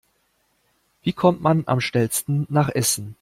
Wie kommt man am schnellsten nach Essen?